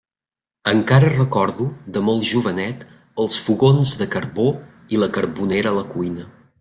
Encara recordo, de molt jovenet, els fogons de carbó i la carbonera a la cuina.